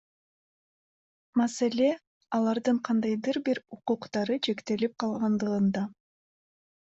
Маселе — алардын кандайдыр бир укуктары чектелип калгандыгында.